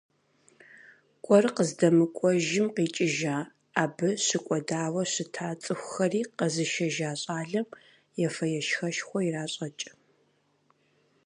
КӀуэр къыздэмыкӀуэжым къикӀыжа, абы щыкӀуэдауэ щыта цӀыхухэри къэзышэжа щӀалэм ефэ-ешхэшхуэ иращӀэкӀ.